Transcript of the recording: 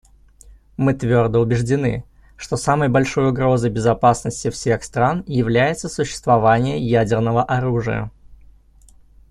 Мы твердо убеждены, что самой большой угрозой безопасности всех стран является существование ядерного оружия.